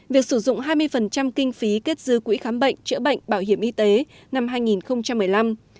việc sử dụng hai mươi kinh phí kết dư quỹ khám bệnh chữa bệnh bảo hiểm y tế năm hai nghìn một mươi năm